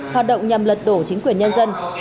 hoạt động nhằm lật đổ chính quyền nhân dân